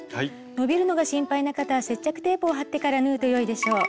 伸びるのが心配な方は接着テープを貼ってから縫うとよいでしょう。